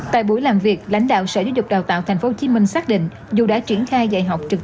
tại buổi làm việc lãnh đạo sở giáo dục đào tạo tp hcm xác định dù đã triển khai dạy học trực